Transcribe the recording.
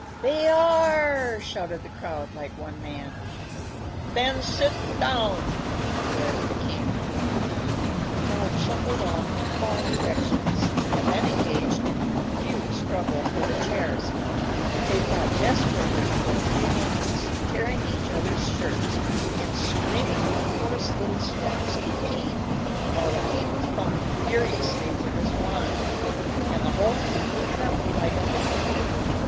"They are!" shouted the crowd, like one man. "Then sit down!" roared the king. The crowd shuffled off in all directions, and then engaged in a confused struggle for the chairs. They fought desperately for a few moments, tearing each others' shirts, and screaming out hoarse little squawks of pain, while the king thumped furiously with his wand, and the Hole keeper trembled like a leaf.